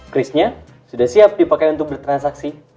krisnya sudah siap dipakai untuk bertransaksi